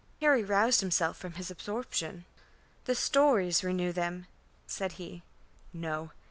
Harry roused himself from his absorption. "The stories renew them," said he. "No.